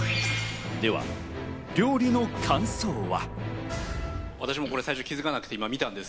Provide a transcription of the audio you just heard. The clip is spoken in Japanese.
では料理の感想は？